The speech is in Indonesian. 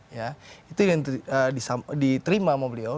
ya itu yang diterima sama beliau